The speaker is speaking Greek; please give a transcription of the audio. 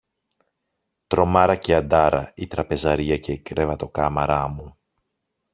Τρομάρα και Αντάρα, η τραπεζαρία και η κρεβατοκάμαρα μου.